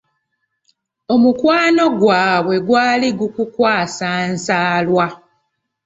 Omukwano gwabwe gwali gukukwasa nsalwa.